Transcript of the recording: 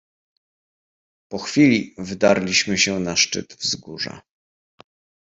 "Po chwili wdarliśmy się na szczyt wzgórza."